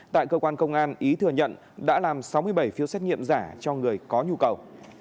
tại cơ quan công an ý thừa nhận đã làm sáu mươi bảy phiếu xét nghiệm giả cho người có nhu cầu